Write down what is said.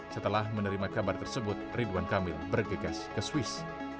setelah menerima kabar tersebut ridwan kamil bergegas ke swiss